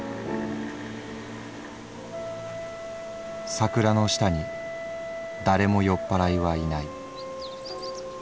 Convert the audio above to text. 「桜の下に誰も酔っぱらいはいない」。